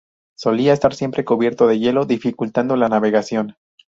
Solía estar siempre cubierto de hielo, dificultando la navegación.